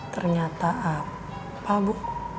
ternyata apa bu